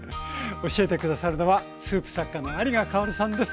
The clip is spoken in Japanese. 教えて下さるのはスープ作家の有賀薫さんです。